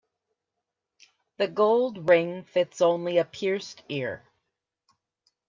The gold ring fits only a pierced ear.